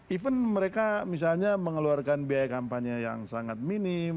even mereka misalnya mengeluarkan biaya kampanye yang sangat minim